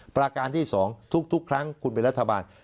ประการที่๒ทุกครั้งคุณเป็นรัฐบาล